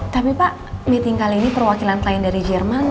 tapi pak meeting kali ini perwakilan klien dari jerman